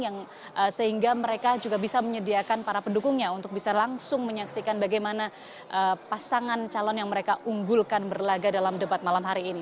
yang sehingga mereka juga bisa menyediakan para pendukungnya untuk bisa langsung menyaksikan bagaimana pasangan calon yang mereka unggulkan berlaga dalam debat malam hari ini